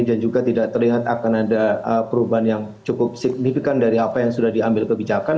dan juga tidak terlihat akan ada perubahan yang cukup signifikan dari apa yang sudah diambil kebijakan